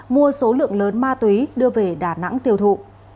mua số lượng lớn ma túy đưa về đà nẵng tiêu thụ